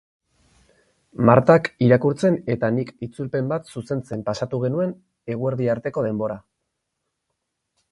Martak irakurtzen eta nik itzulpen bat zuzentzen pasatu genuen eguerdi arteko denbora.